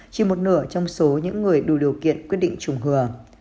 chỉ một nửa trong số những người đủ điều kiện quyết định trùng hừa